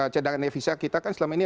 cadangan devisa kita kan selama ini